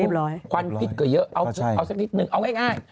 ร้อยควันพิษก็เยอะเอาสักนิดนึงเอาง่าย